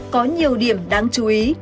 có nhiều điểm đáng chú ý